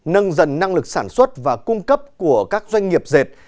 nâng dần năng lực sản xuất và cung cấp của các doanh nghiệp dệt